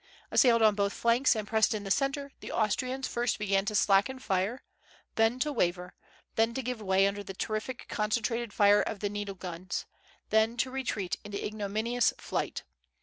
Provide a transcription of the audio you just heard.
Assailed on both flanks and pressed in the centre, the Austrians first began to slacken fire, then to waver, then to give way under the terrific concentrated fire of the needle guns, then to retreat into ignominious flight.